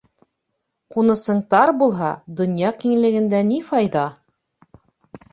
Ҡунысың тар булһа, донъя киңлегендә ни файҙа?